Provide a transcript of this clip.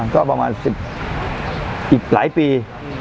ก็ประมาณอีกหลายปี